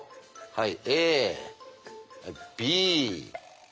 はい。